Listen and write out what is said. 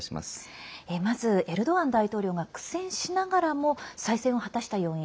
まず、エルドアン大統領が苦戦しながらも再選を果たした要因